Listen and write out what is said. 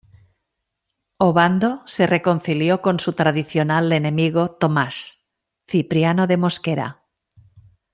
Obando se reconcilió con su tradicional enemigo Tomás Cipriano de Mosquera.